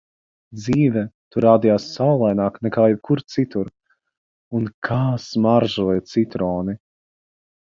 Dzīve tur rādījās saulaināka nekā jebkur citur. Un kā smaržoja citroni!